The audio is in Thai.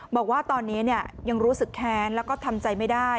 บอกว่าตอนนี้ยังรู้สึกแค้นแล้วก็ทำใจไม่ได้